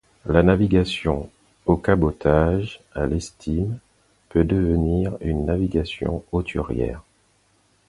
La navigation au cabotage, à l'estime, peut devenir une navigation hauturière.